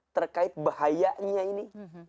terkait bahayanya ini